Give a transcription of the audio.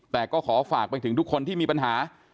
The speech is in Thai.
แต่ก็ขอฝากไปถึงทุกคนที่มีปัญหา